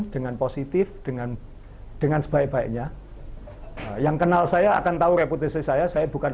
dengan positif dengan dengan sebaik baiknya yang kenal saya akan tahu reputasi saya saya bukan